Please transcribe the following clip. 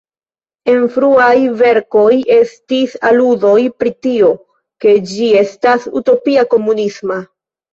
En fruaj verkoj estis aludoj pri tio, ke ĝi estas utopia-komunisma.